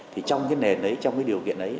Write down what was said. thì trong cái nền đấy trong cái điều kiện ấy